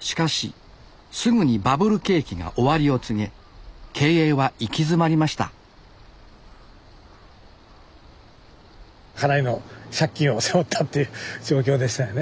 しかしすぐにバブル景気が終わりを告げ経営は行き詰まりましたかなりの借金を背負ったって状況でしたよね